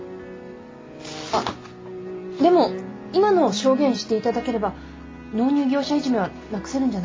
あっでも今のを証言していただければ納入業者いじめはなくせるんじゃないでしょうか？